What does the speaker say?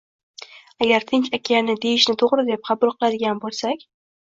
Agar Tinch okeani deyishni toʻgʻri deb qabul qiladigan boʻlsak